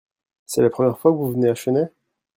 C'est la première fois que vous venez à Chennai ?